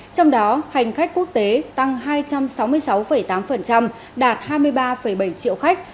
trong đó hành khách quốc tế tăng hai trăm sáu mươi sáu tám đạt hai mươi ba bảy triệu khách